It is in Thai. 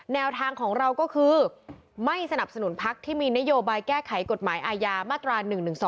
แนวทางของเราก็คือไม่สนับสนุนพักที่มีนโยบายแก้ไขกฎหมายอาญามาตรา๑๑๒